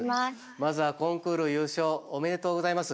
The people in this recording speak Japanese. まずはコンクール優勝おめでとうございます。